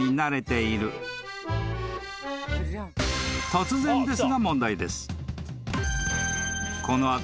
［突然ですが問題です］